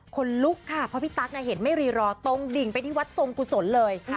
คนลุกค่ะเพราะพี่ตั๊กเห็นไม่รีรอตรงดิ่งไปที่วัดทรงกุศลเลย